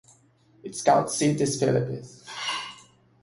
Its county seat is Phillips.